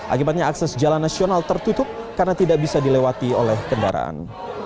akibatnya akses jalan nasional tertutup karena tidak bisa dilewati oleh kendaraan